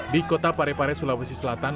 di kota parepare sulawesi selatan